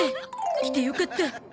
来てよかった。